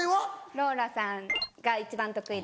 ローラさんが一番得意です。